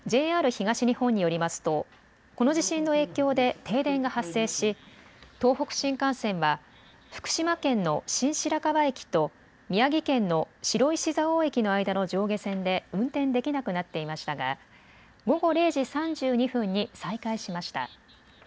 ＪＲ東日本によりますとこの地震の影響で停電が発生し東北新幹線は福島県の新白河駅と宮城県の白石蔵王駅の間の上下線で運転できなくなっていましたが午後０時３２分に再開しました。